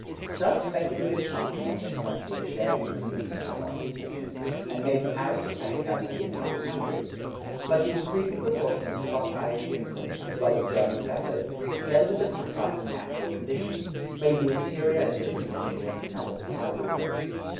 [93:1] Thus speculative planters on this frontier shared in the movement of occupation and made an aristocratic element in the up country; but the increasing proportion of Scotch Irish immigrants, as well as German settlers, together with the contrast in natural conditions, made the interior a different Virginia from that of the tidewater.